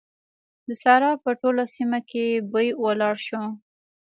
د سارا په ټوله سيمه کې بوی ولاړ شو.